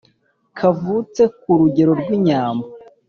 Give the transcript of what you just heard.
kavutse ku rugero rw' inyambo